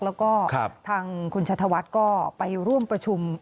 แล้วก็ทางคุณชธวัฒน์ก็ไปร่วมประชุม